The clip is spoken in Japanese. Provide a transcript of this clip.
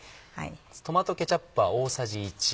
トマトケチャップは大さじ１。